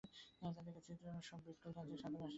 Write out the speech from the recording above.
তাঁদের জন্যই ঐ-সব বিটকেল তান্ত্রিক সাধনার সৃষ্টি হয়ে পড়ল।